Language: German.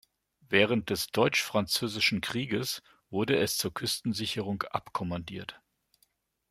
Während des Deutsch-Französischen Krieges wurde es zur Küstensicherung abkommandiert.